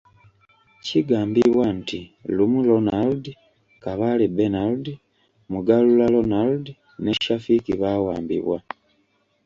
Kigambibwa nti Lumu Ronald, Kabaale Benard, Mugarura Ronald ne Shafik baawambibwa.